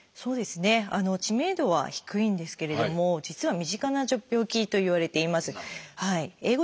知名度は低いんですけれども実は身近な病気といわれています。